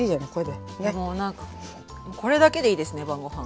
でも何かこれだけでいいですね晩ご飯。